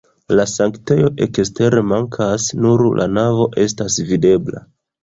La sanktejo ekstere mankas, nur la navo estas videbla.